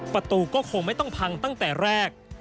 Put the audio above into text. ประตูก็คงไม่ต้องพังตั้งแต่แรก